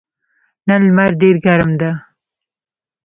نن لمر ډېر ګرم ده.